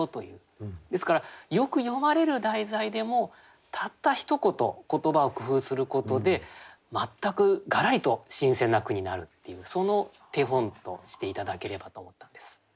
ですからよく詠まれる題材でもたったひと言言葉を工夫することで全くがらりと新鮮な句になるっていうその手本として頂ければと思ったんです。